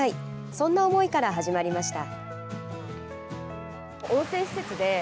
そんな思いから始まりました。